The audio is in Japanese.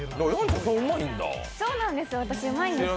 そうなんですよ